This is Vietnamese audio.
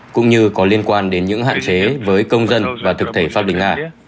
cũng như có liên quan đến những hạn chế với công dân và thực thể pháp bình nga